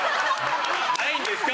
ないんですか？